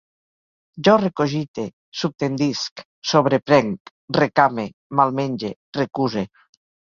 Jo recogite, subtendisc, sobreprenc, recame, malmenge, recuse